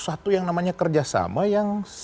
satu yang namanya kerjasama yang